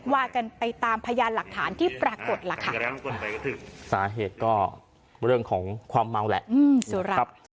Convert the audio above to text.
ว่ากันไปตามพยานหลักฐานที่ปรากฏล่ะค่ะสาเหตุก็เรื่องของความเมาแหละ